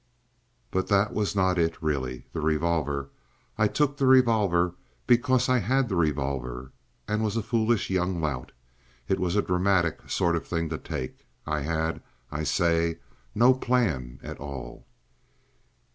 ... But that was not it really! The revolver!—I took the revolver because I had the revolver and was a foolish young lout. It was a dramatic sort of thing to take. I had, I say, no plan at all.